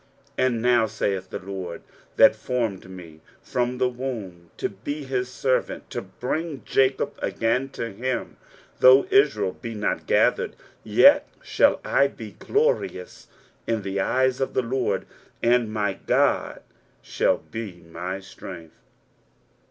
23:049:005 And now, saith the LORD that formed me from the womb to be his servant, to bring Jacob again to him, Though Israel be not gathered, yet shall I be glorious in the eyes of the LORD, and my God shall be my strength.